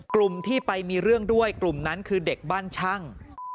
กลุ่มที่ไปมีเรื่องด้วยกลุ่มนั้นคือเด็กบ้านช่าง